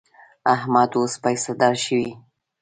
احمد اوس پیسهدار شوی.